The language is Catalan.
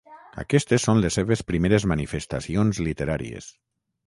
Aquestes són les seves primeres manifestacions literàries.